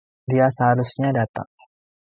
Dia seharusnya datang.